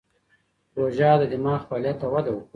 روژه د دماغ فعالیت ته وده ورکوي.